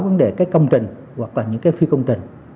vấn đề cái công trình hoặc là những cái phi công trình